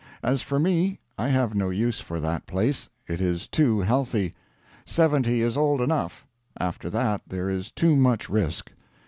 As for me, I have no use for that place; it is too healthy. Seventy is old enough after that, there is too much risk.